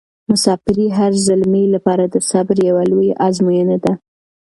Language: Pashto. مساپري د هر زلمي لپاره د صبر یوه لویه ازموینه ده.